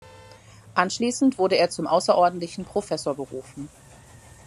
Anschließend wurde er zum außerordentlichen Professor berufen.